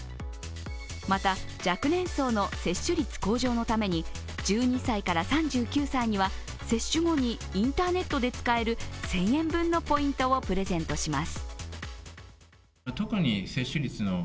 また、若年層の接種率向上のために１２３９歳には接種後にインターネットで使える１０００円分のポイントをプレゼントします。